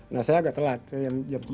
nah saya agak telat jam sepuluh